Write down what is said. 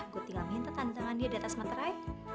gue tinggal minta tantangan dia di atas materai